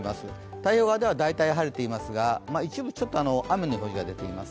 太平洋側では大体晴れていますが一部、ちょっと雨の表示が出ています。